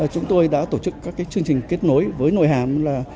chúng tôi đã tổ chức các chương trình kết nối với nội hàm